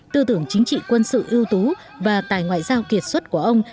tư tưởng chính trị quân sự ưu tú và tài ngoại giao kiệt xuất của ông